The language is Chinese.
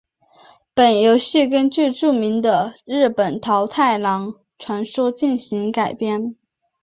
本游戏根据著名的日本桃太郎传说进行改编。